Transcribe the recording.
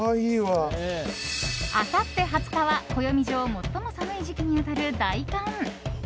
あさって２０日は暦上最も寒い時期に当たる大寒。